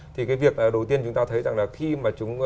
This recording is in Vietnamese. thì cái việc đầu tiên chúng ta thấy rằng là khi mà chúng